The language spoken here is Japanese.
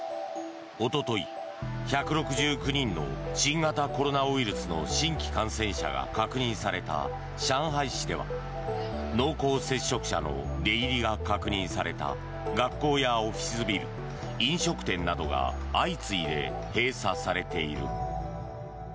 おととい１６９人の新型コロナウイルスの新規感染者が確認された上海市では濃厚接触者の出入りが確認された学校やオフィスビル飲食店などが相次いで閉鎖されている。